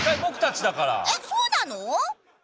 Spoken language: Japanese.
えっそうなの？